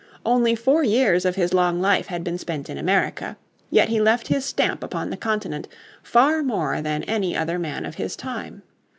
Only four years of his long life had been spent in America. Yet he left his stamp upon the continent far more than any other man of his time.